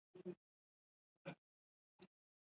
ازادي راډیو د روغتیا بدلونونه څارلي.